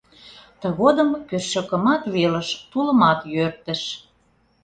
Тыгодым кӧршӧкымат велыш, тулымат йӧртыш.